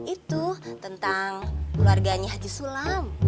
itu tentang keluarganya haji sulam